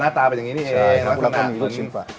อ๋อหน้าตาเป็นอย่างนี้นี่เองแล้วก็มีลูกชิ้นปลา